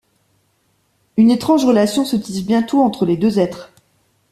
Une étrange relation se tisse bientôt entre les deux êtres.